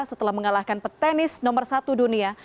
setelah mengalahkan petenis nomor satu dunia